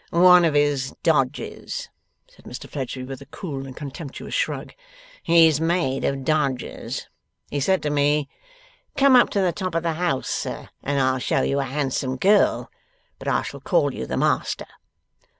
'One of his dodges,' said Mr Fledgeby, with a cool and contemptuous shrug. 'He's made of dodges. He said to me, "Come up to the top of the house, sir, and I'll show you a handsome girl. But I shall call you the master."